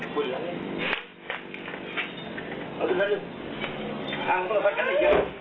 แกมันไง